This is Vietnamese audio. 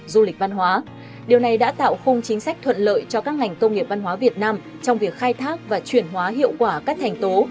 điều này đã tạo khung chính sách thuận lợi cho các ngành công nghiệp văn hóa việt nam trong việc khai thác và chuyển hóa hiệu quả các thành tố